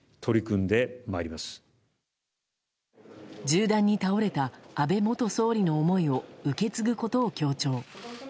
銃弾に倒れた安倍元総理の思いを受け継ぐことを強調。